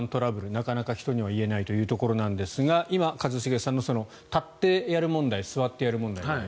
なかなか人には言えないというところなんですが今、一茂さんの立ってやる問題座ってやる問題。